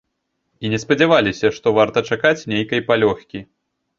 І не спадзяваліся, што варта чакаць нейкай палёгкі.